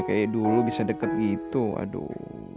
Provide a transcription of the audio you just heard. kayak dulu bisa deket gitu aduh